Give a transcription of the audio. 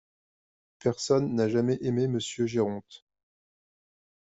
Personne n’a jamais aimé monsieur Géronte.